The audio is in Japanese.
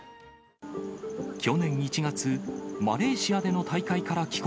去年１月、マレーシアでの大会から帰国